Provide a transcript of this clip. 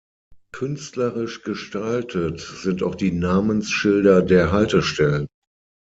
Künstlerisch gestaltet sind auch die Namensschilder der Haltestellen.